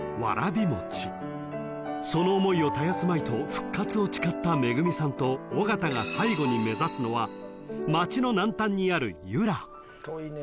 ［その思いを絶やすまいと復活を誓った惠さんと尾形が最後に目指すのは町の南端にある由良］